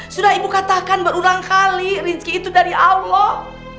sudah ibu katakan berulang kali rizki itu dari allah